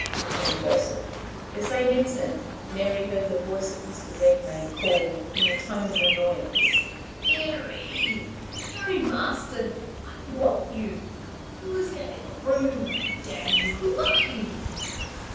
returned Joseph. The same instant Mary heard the voice of Mr. Redmain call in a tone of annoyance "Mary! Mary Marston! I want you. Who is that in the room? Damn you! who are you?"